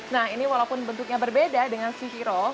nah ini walaupun bentuknya berbeda dengan sushi roll